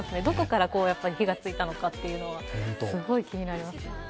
どこから火がついたのかというのがすごい気になります。